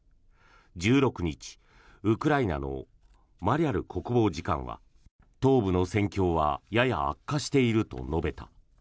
１６日ウクライナのマリャル国防次官は東部の戦況はやや悪化していると述べた。